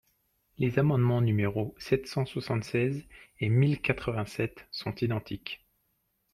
Les amendements numéros sept cent soixante-seize et mille quatre-vingt-sept sont identiques.